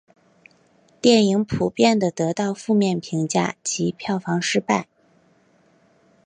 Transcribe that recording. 电影普遍地得到负面评价及票房失败。